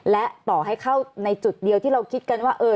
และต่อให้เข้าในจุดเดียวที่เราคิดกันว่า